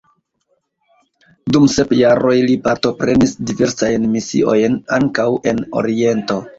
Dum sep jaroj li partoprenis diversajn misiojn, ankaŭ en oriento.